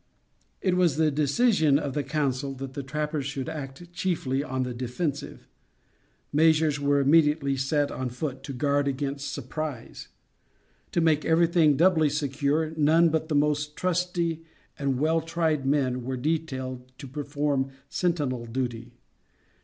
It was the decision of the council that the trappers should act chiefly on the defensive. Measures were immediately set on foot to guard against surprise. To make everything doubly secure, none but the most trusty and well tried men were detailed to perform sentinel duty.